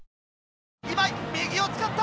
今井右を使った。